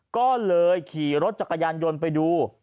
ก็เลยขี่รถจักรยานยนต์ไปดู